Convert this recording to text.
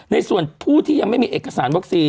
ในส่วนผู้ที่ยังไม่มีเอกสารวัคซีน